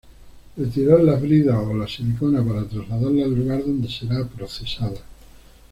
Retirar las bridas o la silicona para trasladarla al lugar donde será procesada.